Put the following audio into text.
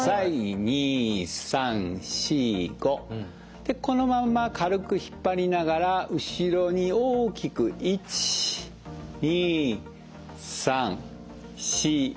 でこのまんま軽く引っ張りながら後ろに大きく１２３４５。